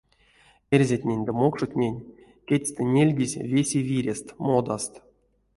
Эрзятнень ды мокшотнень кедьстэ нельгизь весе вирест, модаст.